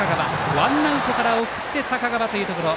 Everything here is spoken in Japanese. ワンアウトから送って坂川というところ。